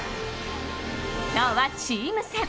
今日はチーム戦。